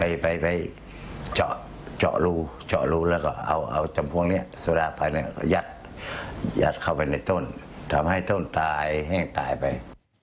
อยากเข้าไปในต้นทำให้ต้นตายแห้งตายไป